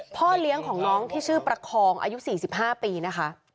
พ่อเลี้ยงของน้องที่ชื่อประคองอายุ๔๕ปีนะคะ